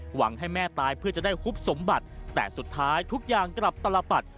หวังให้แม่ตายเพื่อจะได้คุบสมบัติแต่สุดท้ายทุกอย่างกลับตลปัด